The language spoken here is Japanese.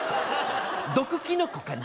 毒キノコかな？